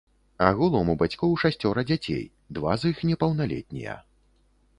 Агулам у бацькоў шасцёра дзяцей, два з іх непаўналетнія.